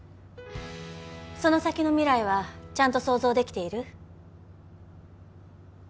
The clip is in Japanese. その先の未来はちゃんと想像できている？